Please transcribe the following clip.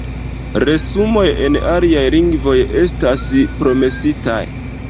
Resumoj en aliaj lingvoj estas promesitaj.